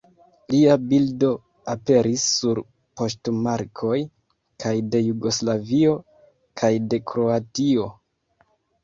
Lia bildo aperis sur poŝtmarkoj kaj de Jugoslavio kaj de Kroatio.